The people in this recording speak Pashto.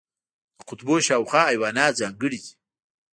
د قطبونو شاوخوا حیوانات ځانګړي دي.